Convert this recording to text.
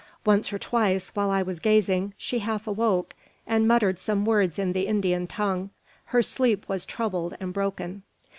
Once or twice, while I was gazing, she half awoke, and muttered some words in the Indian tongue. Her sleep was troubled and broken.